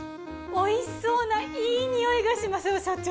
おいしそうないい匂いがしますよ社長。